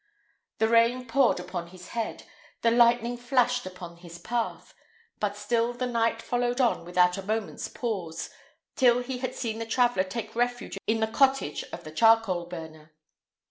The rain poured upon his head, the lightning flashed upon his path; but still the knight followed on without a moment's pause, till he had seen the traveller take refuge in the cottage of the charcoal burner.